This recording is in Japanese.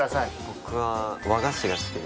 僕は和菓子が好きです。